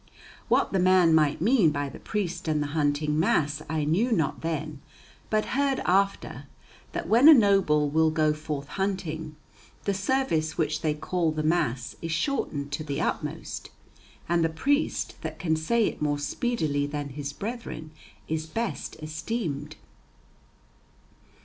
What the man might mean by the priest and the hunting mass I knew not then, but heard after, that when a noble will go forth hunting, the service which they call the mass is shortened to the utmost, and the priest that can say it more speedily than his brethren is best esteemed.